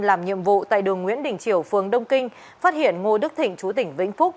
làm nhiệm vụ tại đường nguyễn đình triều phường đông kinh phát hiện ngô đức thịnh chú tỉnh vĩnh phúc